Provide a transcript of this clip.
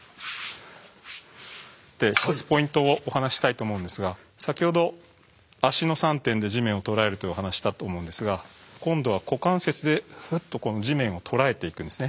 １つポイントをお話ししたいと思うんですが先ほど足の３点で地面を捉えるというお話したと思うんですが今度は股関節でぐっと地面を捉えていくんですね。